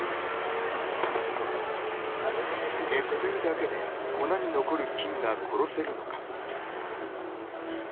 熱風だけで粉に残る菌が殺せるのか。